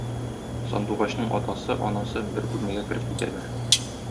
Сандугачның атасы, анасы бер бүлмәгә кереп китәләр.